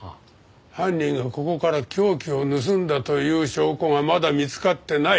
犯人がここから凶器を盗んだという証拠がまだ見つかってない。